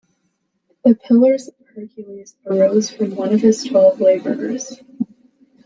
The pillars of Hercules arose from one of his twelve labours.